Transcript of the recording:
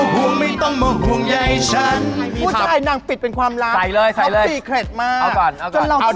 ผู้ชายหนังปิดเป็นความรักพร้อมสีเคร็ดมาจนเราก็ไปลุ้มเอาก่อน